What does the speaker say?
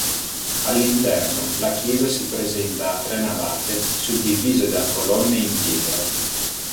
All'interno la chiesa si presenta a tre navate suddivise da colonne in pietra.